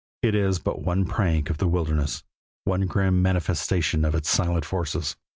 It is but one prank of the wilderness, one grim manifestation of its silent forces.